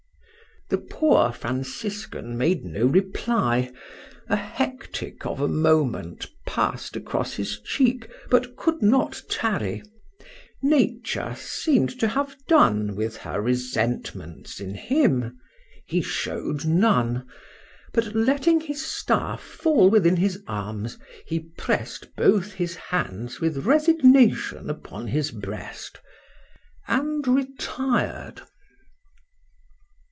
The poor Franciscan made no reply: a hectic of a moment pass'd across his cheek, but could not tarry—Nature seemed to have done with her resentments in him;—he showed none:—but letting his staff fall within his arms, he pressed both his hands with resignation upon his breast, and retired.